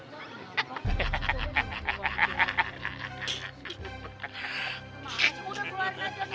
mas udah keluar ngajet